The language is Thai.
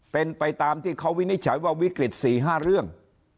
เป็นไปตามที่เขาวินิจฉัยว่าวิกฤต๔๕เรื่อง